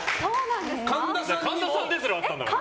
神田さんですらあったんだから。